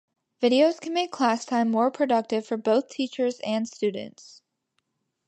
Videos can make class time more productive for both teachers and students.